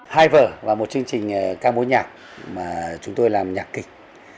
hai vở và một chương trình ca mối nhạc mà chúng tôi làm nhạc kịch